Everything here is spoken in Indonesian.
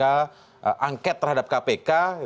angket terhadap kpk